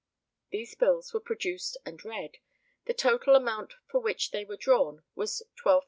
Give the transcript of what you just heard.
[These bills were produced and read; the total amount for which they were drawn was £12,500.